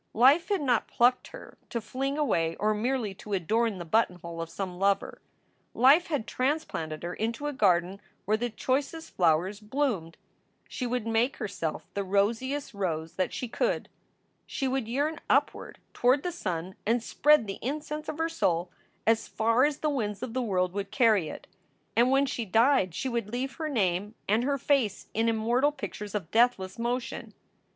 Life had not plucked her to fling away or merely to adorn the buttonhole of some lover. Life had transplanted her into a garden where the choicest flowers bloomed. She would make herself the rosiest rose that she could. She would yearn upward toward the sun and spread the incense of her soul as far as the winds of the world would carry it. And when she died she would leave her name and her face in immortal pictures of deathless motion.